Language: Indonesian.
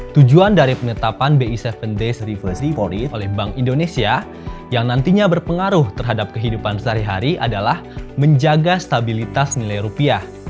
tujuan dari penetapan bi tujuh days reversey polri oleh bank indonesia yang nantinya berpengaruh terhadap kehidupan sehari hari adalah menjaga stabilitas nilai rupiah